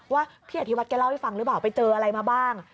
ว่าพี่อธิวัตแกเล่าให้ฟังหรือเปล่าไปเจออะไรมาบ้าง